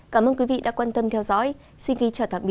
cảm ơn quý vị đã quan tâm theo dõi xin kính chào tạm biệt và hẹn gặp lại